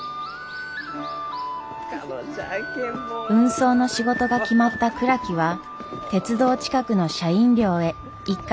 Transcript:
運送の仕事が決まった倉木は鉄道近くの社員寮へ一家で向かいます。